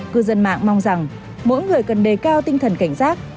cư dân mạng mong rằng mỗi người cần đề cao tinh thần cảnh giác